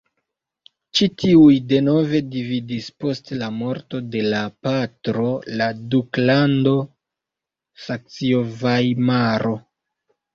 Ci tiuj denove dividis post la morto de la patro la duklandon Saksio-Vajmaro.